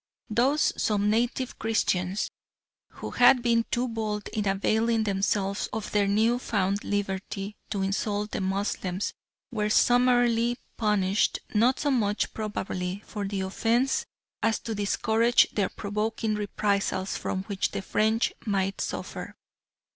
Thus some native Christians, who had been too bold in availing themselves of their new found liberty to insult the Moslems, were summarily punished, not so much probably for the offence as to discourage their provoking reprisals from which the French might suffer.